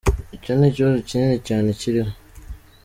Icyo ni ikibazo kinini cyane kiriho.